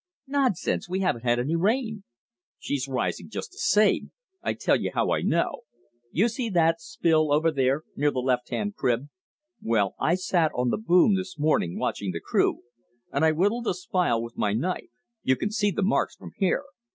"Nonsense, we haven't had any rain." "She's rising just the same. I'll tell you how I know; you see that spile over there near the left hand crib? Well, I sat on the boom this morning watching the crew, and I whittled the spile with my knife you can see the marks from here.